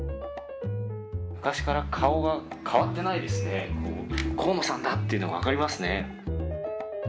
昔から顔が変わってないですね、河野さんだっていうのが分かりますね。